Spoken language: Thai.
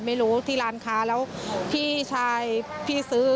ไม่รู้ที่ร้านค้าแล้วพี่ชายพี่ซื้อ